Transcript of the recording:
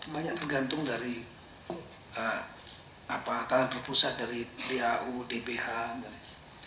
banyak tergantung dari talan perpusat dari dau dph dsb